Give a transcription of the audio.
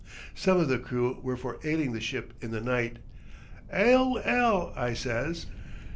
"Some of the crew were for 'ailing the ship in the night. ''Ail 'ell!' I says.